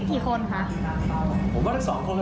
เดี๋ยวเลือกเพศทีหลังก็ได้